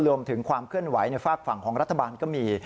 ความเคลื่อนไหวในฝากฝั่งของรัฐบาลก็มี